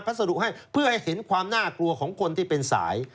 ัสดุให้เพื่อให้เห็นความน่ากลัวของคนที่เป็นสาย